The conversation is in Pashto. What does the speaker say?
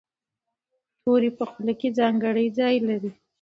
توری په خوله کې ځانګړی ځای لري.